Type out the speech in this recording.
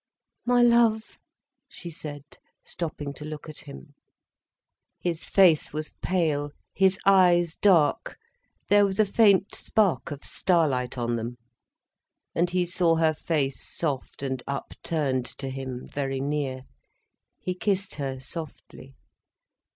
"My love!" she said, stopping to look at him. His face was pale, his eyes dark, there was a faint spark of starlight on them. And he saw her face soft and upturned to him, very near. He kissed her softly.